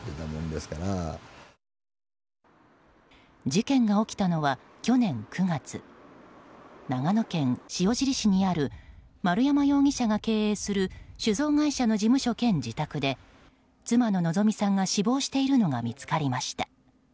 事件が起きたのは去年９月長野県塩尻市にある丸山容疑者が経営する酒造会社の事務所兼自宅で妻の希美さんが死亡しているのが見つかりました。